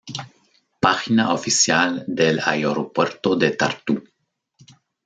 Página oficial del Aeropuerto de Tartu